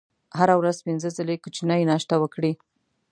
هره ورځ پنځه ځلې کوچنۍ ناشته وکړئ.